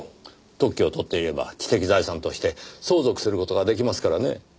特許を取っていれば知的財産として相続する事が出来ますからね。